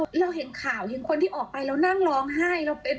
เราเห็นข่าวเห็นคนที่ออกไปเรานั่งร้องไห้